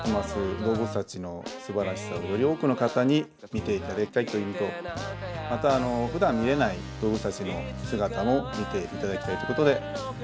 動物たちのすばらしさをより多くの方に見ていただきたいというのとまたふだん見れない動物たちの姿も見ていただきたいってことで続けております。